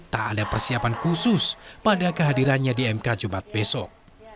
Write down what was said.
tak ada persiapan khusus pada kehadirannya di mk jumat besok